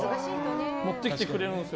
持ってきてくれるんですよ。